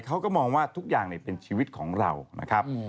เขาก็มองว่าทุกอย่างเป็นชีวิตของเรานะครับ